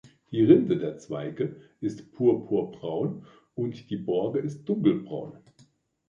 Die Rinde der Zweige ist purpur-braun und die Borke ist dunkelbraun.